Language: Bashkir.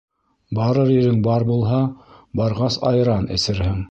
Барыр ерең бар булһа, барғас айран эсерһең